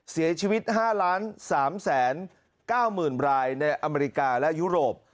เสียชีวิต๕๓๙๐๐๐รายในอเมริกาและยุโรป